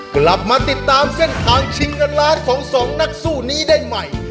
กลับมาติดตามเส้นทางชิงเงินล้านของสองนักสู้นี้ได้ใหม่